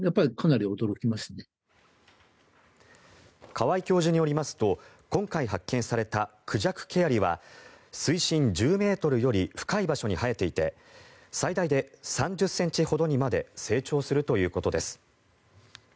川井教授によりますと今回発見されたクジャクケヤリは水深１０ｍより深い場所に生えていて最大で３０ｃｍほどにまで成長するということです。